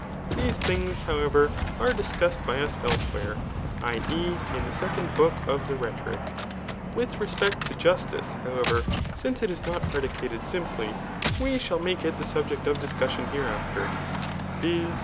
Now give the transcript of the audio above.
These things, how ever, are discussed by us elsewhere, [i. e. in the 9nd book of the Rhetoric*] With respect to justice^ how ev^^ance it is not predicated simply, we shall make it the subject of discusaon hereafter, [viz.